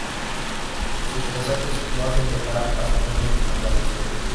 Sus paisajes nos hacen viajar a su mundo, Andalucía.